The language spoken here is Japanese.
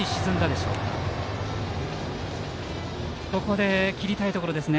ここで切りたいところですね。